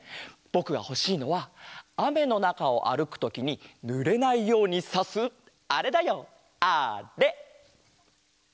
ぼくがほしいのはあめのなかをあるくときにぬれないようにさすあれだよあれ！